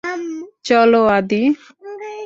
চল, আদি।